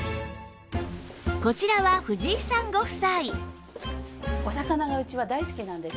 こちらは藤井さんご夫妻